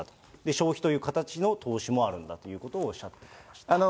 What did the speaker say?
消費という形の投資もあるんだということをおっしゃっていました。